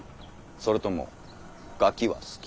それともガキは好き？